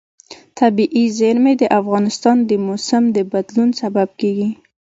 طبیعي زیرمې د افغانستان د موسم د بدلون سبب کېږي.